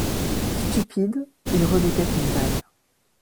Stupide, il redoutait une balle.